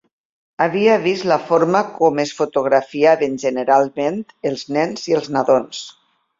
"Havia vist la forma com es fotografiaven generalment els nens i els nadons".